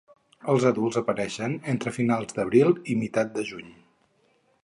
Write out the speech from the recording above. Els adults apareixen entre finals d'abril i meitat de juny.